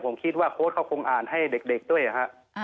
ผมคิดว่าโค้ดเขาคงอ่านให้เด็กด้วยครับ